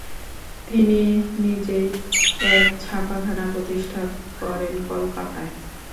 তিনি নিজেই এক ছাপাখানা প্রতিষ্ঠা করেন কলকাতায়।